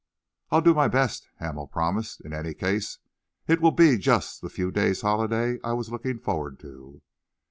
"I'll do my best," Hamel promised. "In any case, it will be just the few days' holiday I was looking forward to."